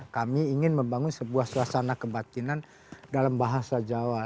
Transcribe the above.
kami ingin membangun sebuah suasana kebatinan dalam bahasa jawa